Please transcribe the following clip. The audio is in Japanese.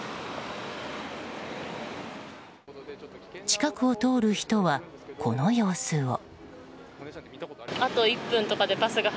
近くを通る人は、この様子を。